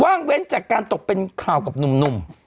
์วางเว้นจากการเป็นเค้ากับนุ่ม